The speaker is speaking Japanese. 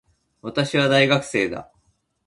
私は、大学生だ。